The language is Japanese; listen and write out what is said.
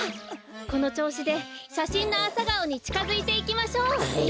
このちょうしでしゃしんのアサガオにちかづいていきましょう。